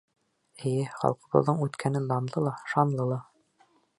Эйе, халҡыбыҙҙың үткәне данлы ла, шанлы ла.